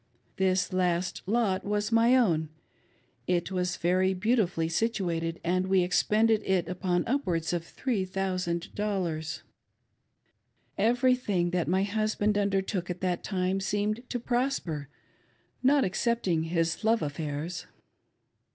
This last lot was my own ; it was very beautifully situated, and we expended on it upwards of three thousand dollars. Everything that my husband undertook at that time seemed to prosper ^not excepting his love affairs.